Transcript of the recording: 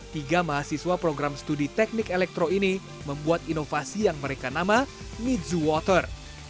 tiga mahasiswa program studi teknik elektro ini membuat inovasi yang mereka nama mitsu water